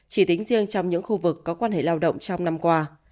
chỉ tính riêng trong những khu vực có quan hệ lao động trong năm qua